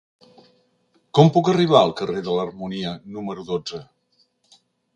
Com puc arribar al carrer de l'Harmonia número dotze?